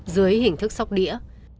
dưới hình thức sóc đĩa